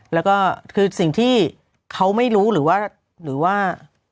แล้วก็คือสิ่งที่เขาไม่รู้หรือว่า